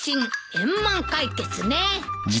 円満解決ね。